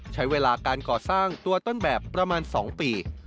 ใช้เวลาการก่อสร้างตัวต้นแบบประมาณ๒ปี